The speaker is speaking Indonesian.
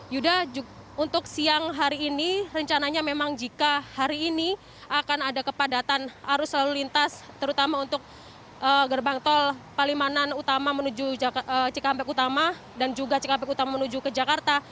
yuda untuk siang hari ini rencananya memang jika hari ini akan ada kepadatan arus lalu lintas terutama untuk gerbang tol palimanan utama menuju cikampek utama dan juga cikampek utama menuju ke jakarta